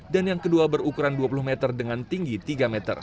dan yang kedua berukuran dua puluh meter dengan tinggi tiga meter